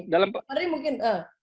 pak mardhani mungkin